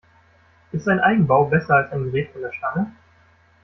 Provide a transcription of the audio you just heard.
Ist ein Eigenbau besser als ein Gerät von der Stange?